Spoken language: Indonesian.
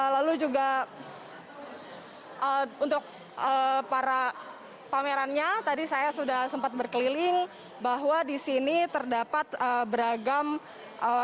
lalu juga untuk para pamerannya tadi saya sudah sempat berkeliling bahwa di sini terdapat beragam